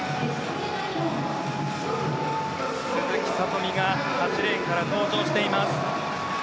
鈴木聡美が８レーンから登場しています。